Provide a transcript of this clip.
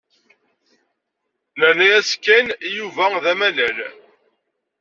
Nerna-as Ken i Yuba d amalal.